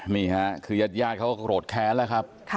นี่ค่ะคือยาดเขาก็โกรธแค้นแล้วครับ